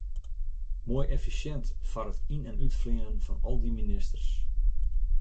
Moai effisjint foar it yn- en útfleanen fan al dy ministers.